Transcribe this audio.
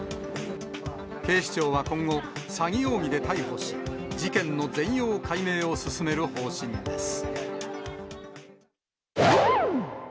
警視庁は今後、詐欺容疑で逮捕し、事件の全容解明を進める方針です。